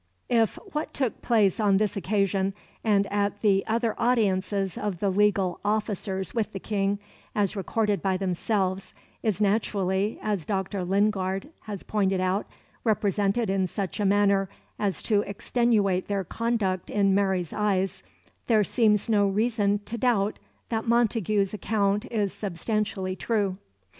If what took place on this occasion and at the other audiences of the legal officers with the King, as recorded by themselves, is naturally, as Dr. Lingard has pointed out, represented in such a manner as to extenuate their conduct in Mary's eyes, there seems no reason to doubt that Montagu's account is substantially true.